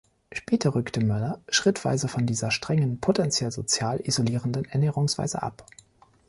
Später rückte Moeller schrittweise von dieser strengen, potenziell sozial isolierenden Ernährungsweise ab.